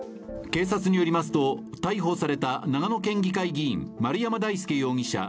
警察によりますと逮捕された長野県議会議員丸山大輔容疑者